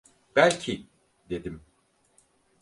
"Belki…" dedim…